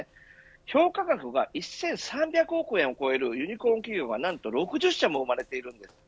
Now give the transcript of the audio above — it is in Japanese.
評価額は１３００億円を超えるユニコーン企業が何と６０社も生まれています。